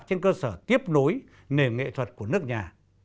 trên cơ sở tiếp nối nền nghệ thuật của nước nhà